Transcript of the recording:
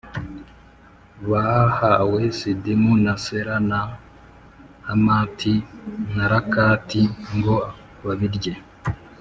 bahawe Sidimu na Sera na Hamati na Rakati ngo babirye.